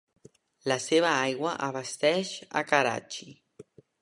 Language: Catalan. La seva aigua abasteix a Karachi.